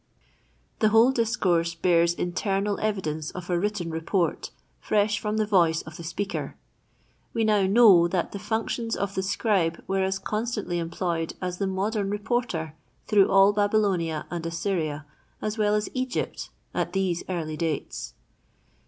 The whole discourse bears internal evidence of a written report, fresh from the voice of the speaker. We now know that the functions of the scribe were as constantly employed as the modern reporter through all Babylonia and Assyria as well as Egypt at these early dates.